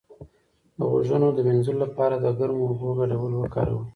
د غوږونو د مینځلو لپاره د ګرمو اوبو ګډول وکاروئ